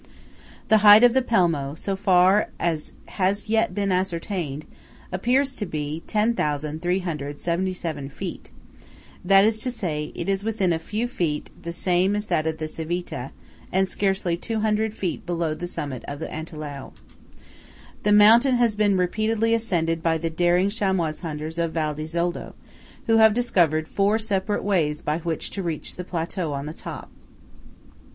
The height of the Pelmo, so far as has yet been ascertained, appears to be 10,377 feet; that is to say, it is within a few feet the same as that of the Civita, and scarcely 200 feet below the summit of the Antelao. The mountain has been repeatedly ascended by the daring chamois hunters of Val di Zoldo, who have discovered four separate ways by which to reach the plateau on the top.